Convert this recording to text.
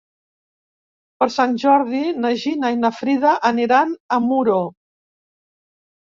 Per Sant Jordi na Gina i na Frida aniran a Muro.